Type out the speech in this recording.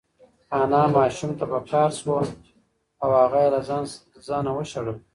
انا ماشوم ته په قهر شوه او هغه یې له ځانه وشړل.